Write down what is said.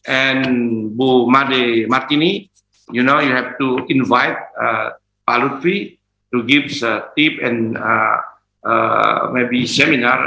dan bu mady martini anda tahu anda harus mengundang pak lutfi untuk memberikan petunjuk dan mungkin seminar